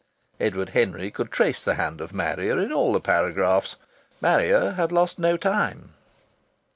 Edward Henry could trace the hand of Marrier in all the paragraphs. Marrier had lost no time.